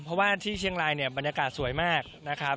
เพราะว่าที่เชียงรายเนี่ยบรรยากาศสวยมากนะครับ